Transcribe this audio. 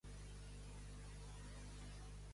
Són monyicots, no ho entenen; van a la mar i s'ofeguen.